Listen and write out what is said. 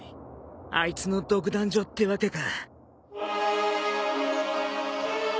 あいつの独壇場ってわけか。